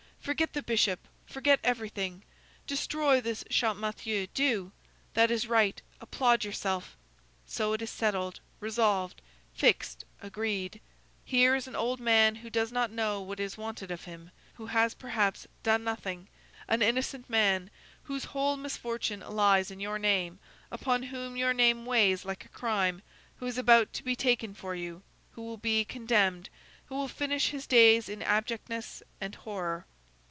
Forget the Bishop! Forget everything! Destroy this Champmathieu, do! That is right! Applaud yourself! So it is settled, resolved, fixed, agreed: here is an old man who does not know what is wanted of him, who has, perhaps, done nothing, an innocent man, whose whole misfortune lies in your name, upon whom your name weighs like a crime, who is about to be taken for you, who will be condemned, who will finish his days in abjectness and horror.